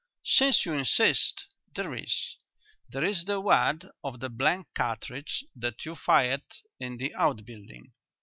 "Since you insist, there is. There is the wad of the blank cartridge that you fired in the outbuilding."